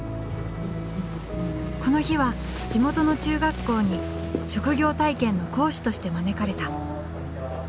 この日は地元の中学校に職業体験の講師として招かれた。